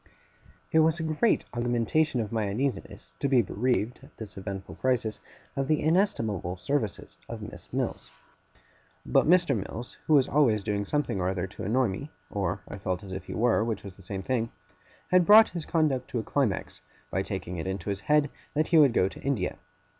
It was a great augmentation of my uneasiness to be bereaved, at this eventful crisis, of the inestimable services of Miss Mills. But Mr. Mills, who was always doing something or other to annoy me or I felt as if he were, which was the same thing had brought his conduct to a climax, by taking it into his head that he would go to India.